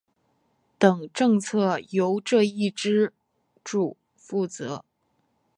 等政策由这一支柱负责。